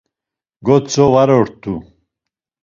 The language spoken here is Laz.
Gotzo var ort̆u.